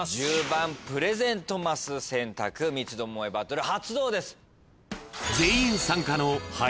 １０番プレゼントマス選択三つ巴バトル発動です。